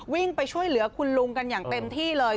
วิ่งไปช่วยเหลือคุณลุงกันอย่างเต็มที่เลย